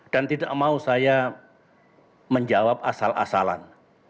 dan tidak mau saya menjawab asal asalan